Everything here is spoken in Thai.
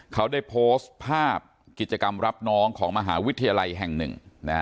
เขาได้โพสต์ภาพกิจกรรมรับน้องของมหาวิทยาลัยแห่งหนึ่ง